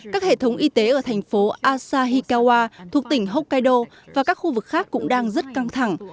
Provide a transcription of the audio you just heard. các hệ thống y tế ở thành phố asahikawa thuộc tỉnh hokkaido và các khu vực khác cũng đang rất căng thẳng